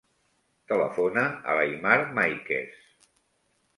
Telefona a l'Aimar Maiquez.